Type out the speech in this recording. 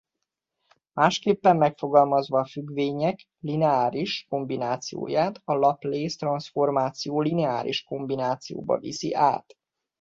Másképpen megfogalmazva a függvények lineáris kombinációját a Laplace-transzformáció lineáris kombinációba viszi át.